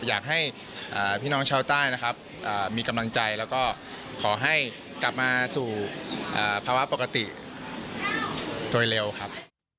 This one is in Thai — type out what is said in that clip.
อยากให้พี่น้องชาวใต้นะครับมีกำลังใจแล้วก็ขอให้กลับมาสู่ภาวะปกติโดยเร็วครับ